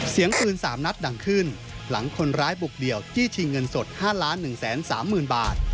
เสียงปืน๓นัดดังขึ้นหลังคนร้ายบุกเดี่ยวจี้ชิงเงินสด๕๑๓๐๐๐บาท